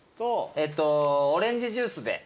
えっとオレンジジュースではい。